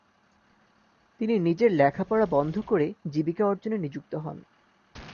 তিনি নিজের লেখাপড়া বন্ধ করে জীবিকা অর্জনে নিযুক্ত হন।